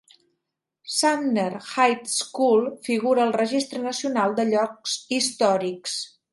Sumner High School figura al Registre Nacional de Llocs Històrics.